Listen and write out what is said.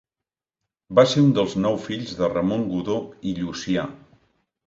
Va ser un dels nou fills de Ramon Godó i Llucià.